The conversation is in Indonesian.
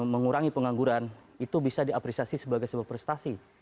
mengurangi pengangguran itu bisa diapresiasi sebagai sebuah prestasi